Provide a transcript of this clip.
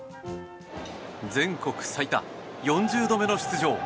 全国最多、４０度目の出場